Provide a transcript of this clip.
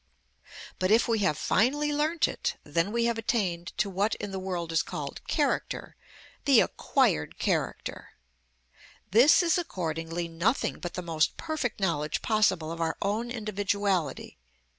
But if we have finally learnt it, then we have attained to what in the world is called character, the acquired character. This is accordingly nothing but the most perfect knowledge possible of our own individuality.